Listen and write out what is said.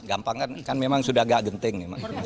gampang kan memang sudah agak genting